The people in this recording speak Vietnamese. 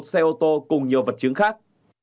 một xe ô tô cùng nhiều vật chứng khác